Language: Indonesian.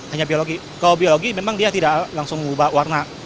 hanya kalau biologi memang dia tidak langsung mengubah warna